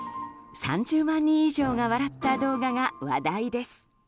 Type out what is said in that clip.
３０万人以上が笑った動画が話題です。